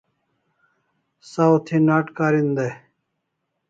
Saw thi n'at karin day